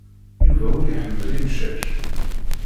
Yuba ur iḥemmel imcac.